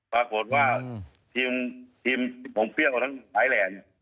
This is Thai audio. ปรากฏว่าทีมทีมของเฟี่ยวทั้งหลายแหล่น